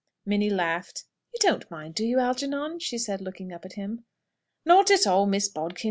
Minnie laughed. "You don't mind, do you, Algernon?" she said, looking up at him. "Not at all, Miss Bodkin.